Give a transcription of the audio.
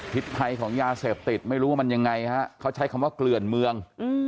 ภัยของยาเสพติดไม่รู้ว่ามันยังไงฮะเขาใช้คำว่าเกลื่อนเมือง